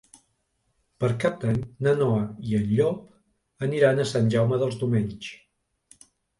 Per Cap d'Any na Noa i en Llop aniran a Sant Jaume dels Domenys.